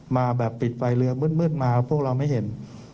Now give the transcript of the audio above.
มาแบบปิดไฟเรือมืดมาพวกเราไม่เห็น